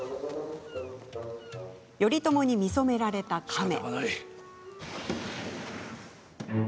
頼朝に見初められた亀。